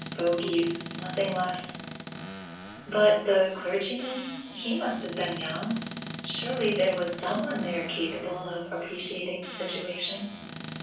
"Fogies; nothing less." "But the clergyman? He must have been young. Surely there was some one there capable of appreciating the situation?"